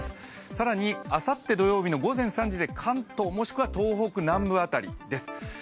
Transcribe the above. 更に、あさって土曜日の午前３時で関東もしくは東北南部辺りです。